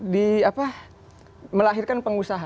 di apa melahirkan pengusaha